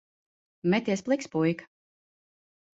Meties pliks, puika.